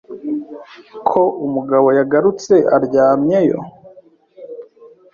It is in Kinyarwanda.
ko umugabo yagarutse aryamye yo